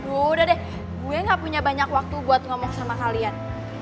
udah deh gue gak punya banyak waktu buat ngomong sama kalian